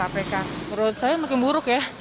menurut saya makin buruk ya